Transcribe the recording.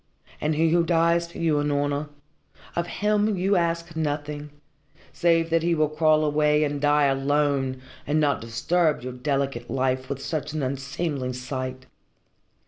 And he who dies for you, Unorna of him you ask nothing, save that he will crawl away and die alone, and not disturb your delicate life with such an unseemly sight."